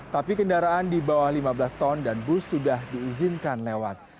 tapi kendaraan di bawah lima belas ton dan bus sudah diizinkan lewat